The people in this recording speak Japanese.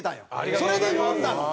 それで呼んだの。